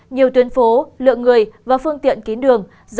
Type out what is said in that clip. nhiều tuyến phố lượng người và phương tiện kín đường